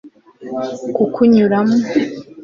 kukunyuramo